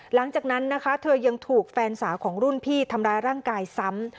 หลังจากนั้นนะคะเธอยังถูกแฟนสาวของรุ่นพี่ทำร้ายร่างกายซ้ำ